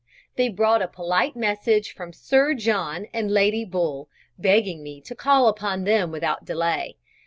They brought a polite message from Sir John and Lady Bull, begging me to call upon them without delay.